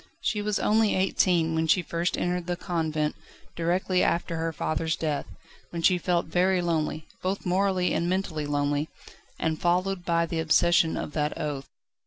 She was only eighteen when she first entered the convent, directly after her father's death, when she felt very lonely both morally and mentally lonely and followed by the obsession of that oath.